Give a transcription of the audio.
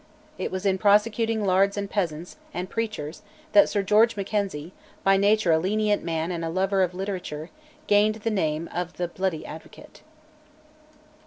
It was in prosecuting lairds and peasants and preachers that Sir George Mackenzie, by nature a lenient man and a lover of literature, gained the name of "the bluidy advocate."